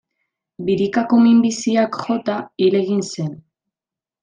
Birikako minbiziak jota hil egin zen.